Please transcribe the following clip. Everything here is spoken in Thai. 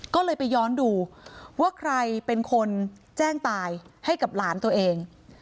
ก็เลยไปย้อนดูว่าใครเป็นคนแจ้งตายให้กับหลานตัวเอง